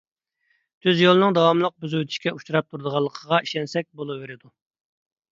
تۈز يولنىڭ داۋاملىق بۇزۇۋېتىشكە ئۇچراپ تۇرۇدىغانلىقىغا ئىشەنسەك بولىۋېرىدۇ.